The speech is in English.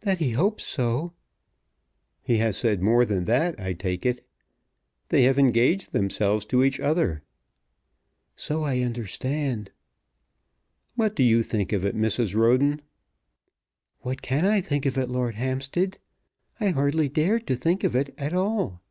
"That he hopes so." "He has said more than that, I take it. They have engaged themselves to each other." "So I understand." "What do you think of it, Mrs. Roden?" "What can I think of it, Lord Hampstead? I hardly dare to think of it at all."